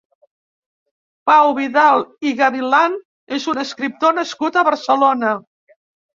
Pau Vidal i Gavilán és un escriptor nascut a Barcelona.